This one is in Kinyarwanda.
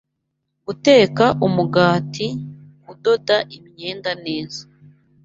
guteka umugati, kudoda imyenda neza